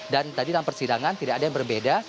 dan tadi dalam persidangan tidak ada yang berbeda